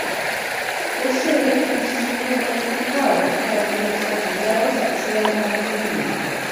Posee un sitio web privado para que los afiliados accedan a los contenidos.